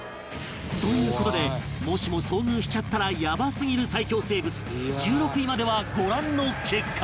という事でもしも遭遇しちゃったらヤバすぎる最恐生物１６位まではご覧の結果に